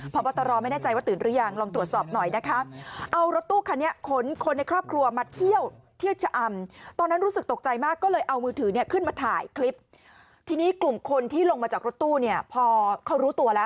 พาจากรถตู้เนี่ยพอเขารู้ตัวแล้ว